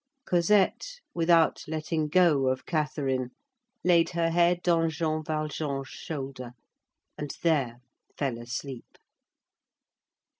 Cosette, without letting go of Catherine, laid her head on Jean Valjean's shoulder, and there fell asleep.